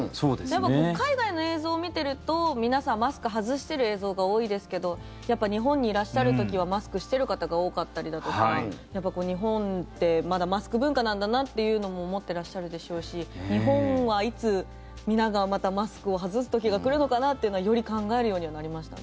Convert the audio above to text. でも、海外の映像を見ていると皆さんマスクを外している映像が多いですけどやっぱり日本にいらっしゃる時はマスクをしている方が多かったりだとかやっぱり日本ってまだマスク文化なんだなというのも思っていらっしゃるでしょうし日本はいつ皆がまたマスクを外す時が来るのかなっていうのはより考えるようにはなりました。